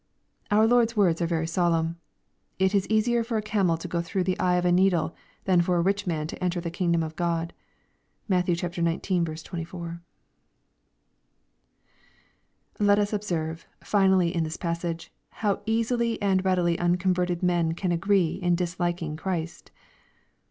Our Lord's words are very solemn, " It is easier for a camel to go through the eye of a needle than for a rich man to en ter the kingdom of God." (Matt. xix. 24.) Let us observe, finally, in this passage, how easily ajid readily unconverted men can agree in disliking Christ.